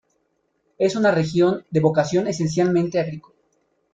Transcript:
Es una región de vocación esencialmente agrícola.